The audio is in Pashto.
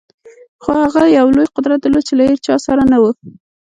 خو هغه یو لوی قدرت درلود چې له هېچا سره نه و